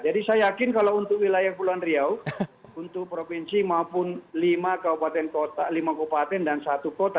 jadi saya yakin kalau untuk wilayah pulau andriau untuk provinsi maupun lima kabupaten dan satu kota